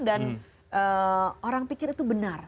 dan orang pikir itu benar